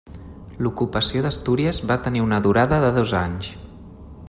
L'ocupació d'Astúries va tenir una durada de dos anys.